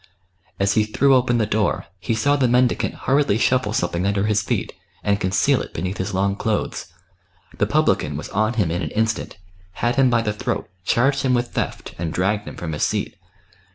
As he threw open the door, he saw the mendicant hurriedly shuffle something under his feet, and conceal it beneath his long clothes. The publican was on him in an instant, had him by the throat, charged him with theft, and dragged him from his seat.